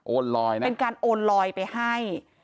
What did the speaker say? ลอยนะเป็นการโอนลอยไปให้